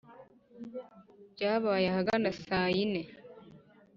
Byabaye ahagana saa yine